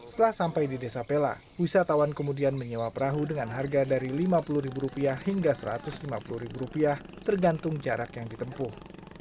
setelah sampai di desa pela wisatawan kemudian menyewa perahu dengan harga dari rp lima puluh hingga rp satu ratus lima puluh tergantung jarak yang ditempuh